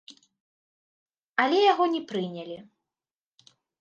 Але яго не прынялі.